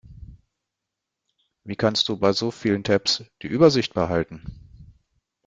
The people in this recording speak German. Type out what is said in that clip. Wie kannst du bei so vielen Tabs die Übersicht behalten?